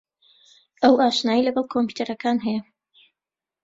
ئەو ئاشنایی لەگەڵ کۆمپیوتەرەکان ھەیە.